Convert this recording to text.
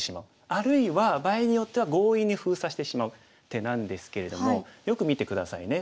あるいは場合によっては強引に封鎖してしまう手なんですけれどもよく見て下さいね。